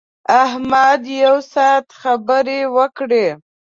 احمد یو ساعت خبرې وکړې.